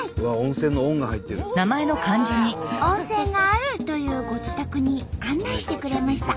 温泉があるというご自宅に案内してくれました。